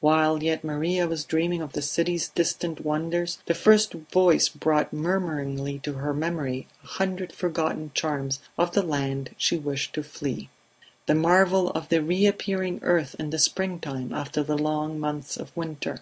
While yet Maria was dreaming of the city's distant wonders the first voice brought murmuringly to her memory a hundred forgotten charms of the land she wished to flee. The marvel of the reappearing earth in the springtime after the long months of winter